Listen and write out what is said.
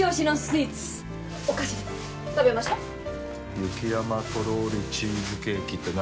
「雪山とろりチーズケーキ」って何？